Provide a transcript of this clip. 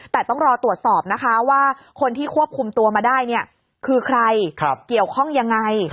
แต่ต้องรอตรวจสอบนะคะว่าคนที่ควบคุมตัวมาได้เนี่ยคือใครเกี่ยวข้องยังไง